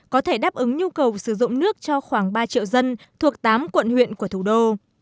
có thể đáp ứng nhu cầu sử dụng nước cho khoảng ba triệu dân thuộc tám quận huyện của thủ đô